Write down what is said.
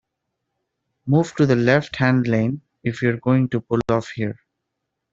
Move to the left-hand lane if you're going to pull off here